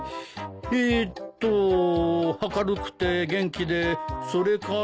えーっと明るくて元気でそれから。